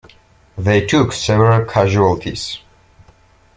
They took several casualties.